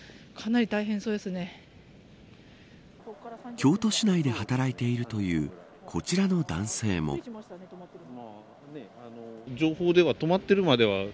京都市内で働いているというこちらの男性も。